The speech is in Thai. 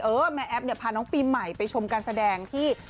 เออแม่แอฟเนี่ยพาน้องปีใหม่ไปชมการแสดงที่